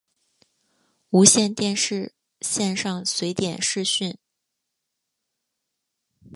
无线电视线上随点视讯